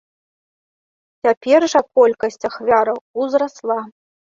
Цяпер жа колькасць ахвяраў узрасла.